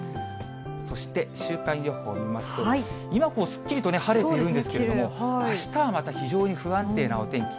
そして週間予報見ますと、今、すっきりと晴れているんですけれども、あしたはまた非常に不安定なお天気。